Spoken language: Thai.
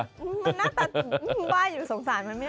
มันน่าจะว่าอยู่สงสารมันไม่เอา